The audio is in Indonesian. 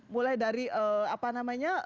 mulai dari apa namanya